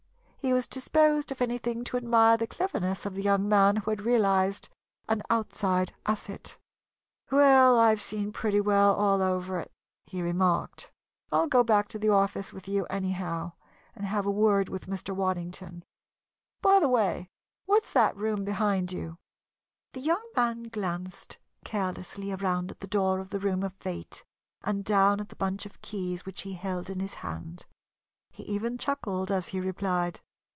He was disposed, if anything, to admire the cleverness of the young man who had realized an outside asset. "Well, I've seen pretty well all over it," he remarked. "I'll go back to the office with you, anyhow, and have a word with Mr. Waddington. By the way, what's that room behind you?" The young man glanced carelessly around at the door of the room of Fate and down at the bunch of keys which he held in his hand. He even chuckled as he replied.